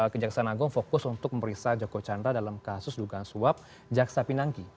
kejaksaan agung fokus untuk memeriksa joko chandra dalam kasus dugaan suap jaksa pinangki